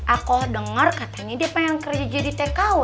aku denger katanya dia pengen kerja jadi tkw